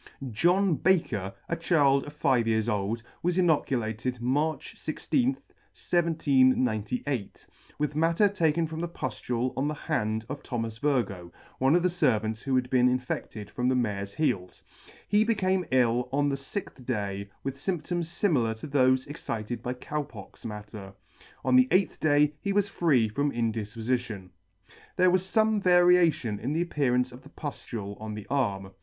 JOHN BAKER, a child of five years old, was inoculated March 1 6, 1798, with matter taken from a pufiule on the hand F of C 3i ] of Thomas Virgoe, one of the fervants who had been infected from the mare's heels. He became ill on the fixth day with fymptoms fimilar to thofe excited by Cow pox matter. On the eighth day he was free from indifpofition. There was fome variation in the appearance of the puflule on the arm.